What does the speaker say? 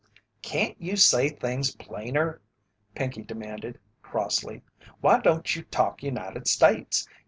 "Can't you say things plainer?" Pinkey demanded, crossly. "Why don't you talk United States?